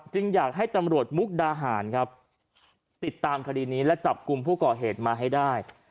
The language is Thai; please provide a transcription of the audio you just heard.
อยากให้ตำรวจมุกดาหารครับติดตามคดีนี้และจับกลุ่มผู้ก่อเหตุมาให้ได้